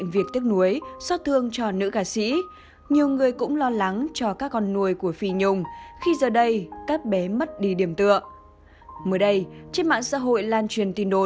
với các bạn